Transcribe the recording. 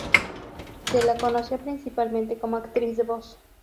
Se la conoció principalmente como actriz de voz.